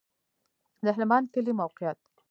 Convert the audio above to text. د هلمند کلی موقعیت